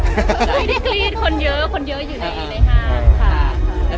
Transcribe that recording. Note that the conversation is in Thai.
ไม่ได้กรี๊ดคนเยอะคนเยอะอยู่ในในฐาม